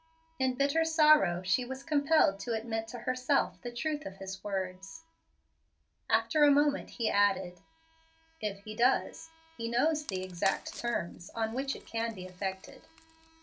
In bitter sorrow she was compelled to admit to herself the truth of his words. After a moment he added, "If he does he knows the exact terms on which it can be effected."